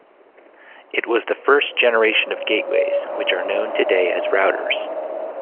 It was the first generation of gateways, which are known today as routers.